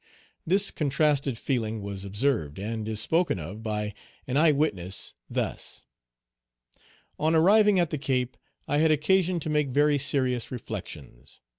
This contrasted feeling was observed, and is spoken of by an eye witness thus: "On arriving at the Cape, I had occasion to make very serious reflections.